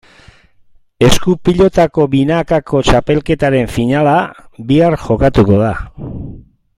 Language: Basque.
Esku-pilotako binakako txapelketaren finala bihar jokatuko da.